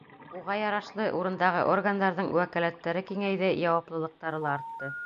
Уға ярашлы, урындағы органдарҙың вәкәләттәре киңәйҙе, яуаплылыҡтары ла артты.